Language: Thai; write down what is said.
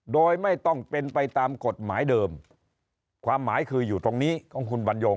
โดยไม่ต้องเป็นไปตามกฎหมายเดิมความหมายคืออยู่ตรงนี้ของคุณบรรยง